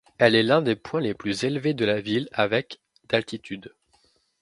Elle est l'un des points les plus élevés de la ville avec d'altitude.